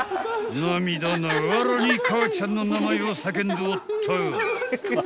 ［涙ながらに母ちゃんの名前を叫んでおったが］